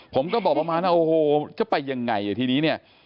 ผมก็บอกประมาณว่าโอ้โหจะไปยังไงทีนี้เนี่ย